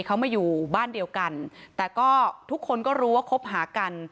เขามาอยู่บ้านเดียวกันแต่ก็ทุกคนก็รู้ว่าคบหากัน